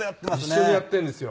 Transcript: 一緒にやっているんですよ。